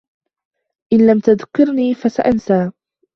إن لم تذكّرني، فسأنسى.